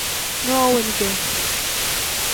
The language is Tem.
No weni ge.